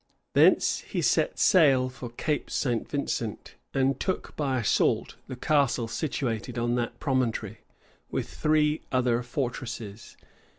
Thence he set sail for Cape St. Vincent, and took by assault the castle situated on that promontory, with three other fortresses.